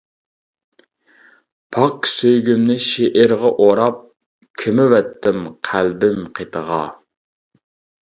پاك سۆيگۈمنى شېئىرغا ئوراپ، كۆمۈۋەتتىم قەلبىم قېتىغا.